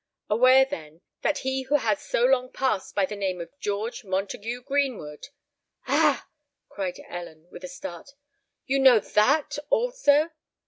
Aware, then, that he who has so long passed by the name of George Montague Greenwood——" "Ah!" cried Ellen, with a start: "you know that also?"